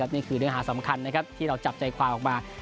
นี่คือเนื้อหาสำคัญที่เราจับใจความออกมา